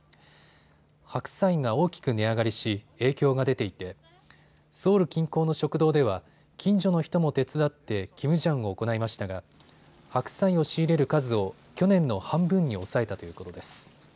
白菜が大きく値上がりし、影響が出ていてソウル近郊の食堂では近所の人も手伝ってキムジャンを行いましたが白菜を仕入れる数を去年の半分に抑えたということです。